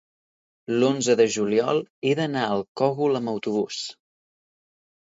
l'onze de juliol he d'anar al Cogul amb autobús.